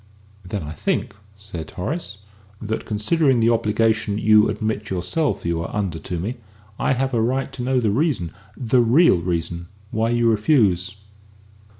"Then I think," said Horace, "that, considering the obligation you admit yourself you are under to me, I have a right to know the reason the real reason why you refuse."